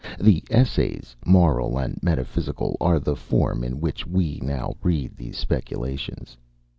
The "Essays, Moral and Metaphysical," are the form in which we now read these speculations.